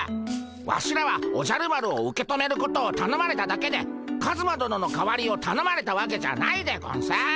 ワシらはおじゃる丸を受け止めることをたのまれただけでカズマ殿の代わりをたのまれたわけじゃないでゴンス。